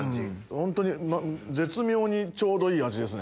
ホントに絶妙にちょうどいい味ですね。